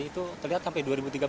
itu terlihat sampai dua ribu tiga belas